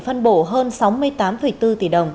phân bổ hơn sáu mươi tám bốn tỷ đồng